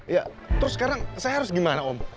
ya terus sekarang saya harus gimana om bu